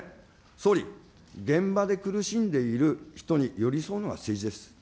総理、現場で苦しんでいる人に寄り添うのが政治です。